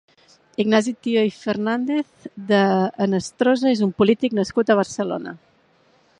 Ignasi Thió i Fernández de Henestrosa és un polític nascut a Barcelona.